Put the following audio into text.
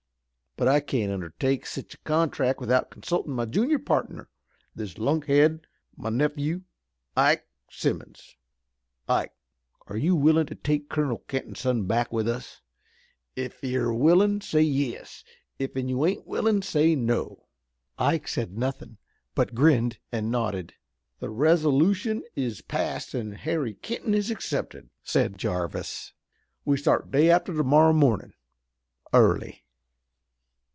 But I can't undertake sich a contract without consultin' my junior partner, this lunkhead, my nephew, Ike Simmons. Ike, are you willin' to take Colonel Kenton's son back with us? Ef you're willin' say 'Yes,' ef you ain't willin' say 'No.'" Ike said nothing, but grinned and nodded. "The resolution is passed an' Harry Kenton is accepted," said Jarvis. "We start day after tomorrow mornin', early."